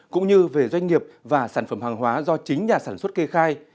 cũng như về doanh nghiệp và sản phẩm hàng hóa do chính nhà sản xuất kê khai